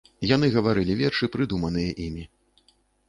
Яны гаварылі вершы, прыдуманыя імі.